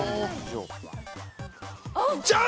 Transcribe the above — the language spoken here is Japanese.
◆じゃあ。